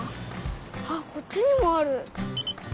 はっこっちにもある！